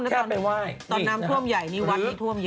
ตอนน้ำท่วมใหญ่นี่วัดที่ท่วมเยอะ